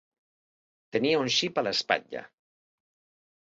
Tenia un xip a l'espatlla.